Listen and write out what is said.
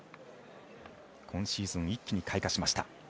今シーズン、一気に開花しました。